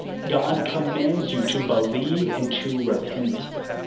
God commands you to believe ani to re pent.